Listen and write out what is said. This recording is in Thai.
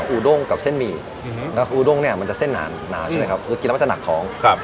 อุดงเนี่ยมันจะเส้นหนาหนาใช่ไหมครับคือกินแล้วมันจะหนักท้องครับ